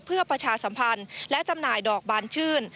เพื่อประชาสัมพันธ์และจำหน่ายดอกบานชื่น